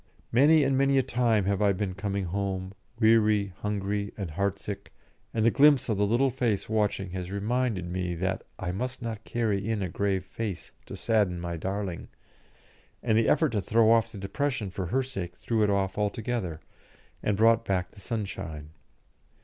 Many and many a time have I been coming home, weary, hungry, and heart sick, and the glimpse of the little face watching has reminded me that I must not carry in a grave face to sadden my darling, and the effort to throw off the depression for her sake threw it off altogether, and brought back the sunshine.